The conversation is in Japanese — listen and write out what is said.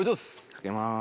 かけます。